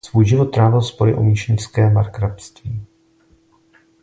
Svůj život strávil spory o míšeňské markrabství.